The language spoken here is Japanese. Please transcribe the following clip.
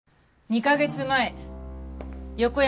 ２カ月前横山